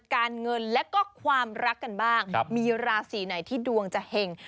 การเงินและก็ความรักกันบ้างมีราศีไหนที่ดวงจะเห็ง